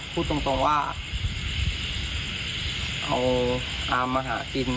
พูดตรงว่าเอาอามมาหากิน